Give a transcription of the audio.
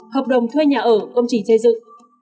hợp đồng thuê nhà ở công trình xây dựng